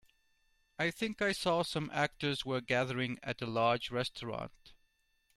I think I saw some actors were gathering at a large restaurant.